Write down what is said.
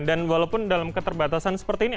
dan walaupun dalam keterbatasan seperti ini